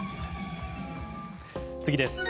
次です。